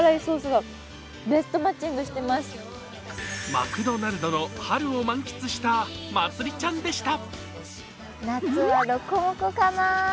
マクドナルドの春を満喫したまつりちゃんでした。